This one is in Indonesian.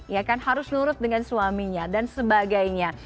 ya kan harus nurut dengan suaminya dan sebagainya